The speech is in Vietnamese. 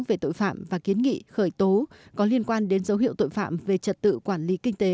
về tội phạm và kiến nghị khởi tố có liên quan đến dấu hiệu tội phạm về trật tự quản lý kinh tế